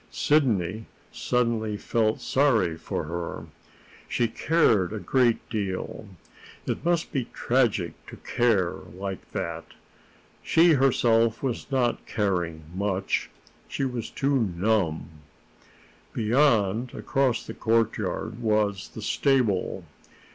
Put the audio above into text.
Sidney suddenly felt sorry for her. She cared a great deal. It must be tragic to care like that! She herself was not caring much; she was too numb. Beyond, across the courtyard, was the stable.